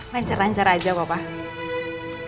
lancar lancar aja bapak